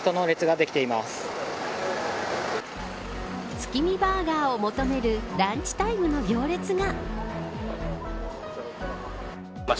月見バーガーを求めるランチタイムの行列が。